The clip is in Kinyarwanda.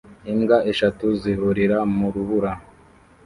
Imbwa eshatu zihurira mu rubura